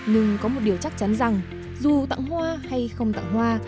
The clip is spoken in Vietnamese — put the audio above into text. nhưng có một điều chắc chắn rằng dù tặng hoa hay không tặng hoa